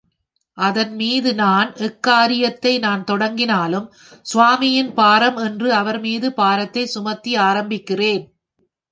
அதன்மீது நான், எக்காரியத்தை நான் தொடங்கினாலும், ஸ்வாமியின் பாரம் என்று அவர்மீது பாரத்தைச் சுமத்தி ஆரம்பிக்கிறேன்.